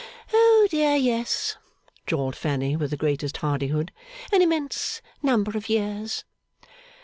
'Oh dear yes,' drawled Fanny, with the greatest hardihood. 'An immense number of years.